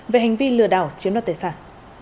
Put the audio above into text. về hành vi lừa đảo chiếm đoạt tài sản